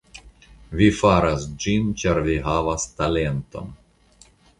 Vi faras ĝin ĉar vi havas talenton.